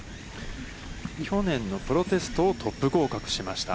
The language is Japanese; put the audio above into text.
去年のプロテストをトップ合格しました。